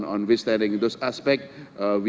untuk melihat aspek aspek tersebut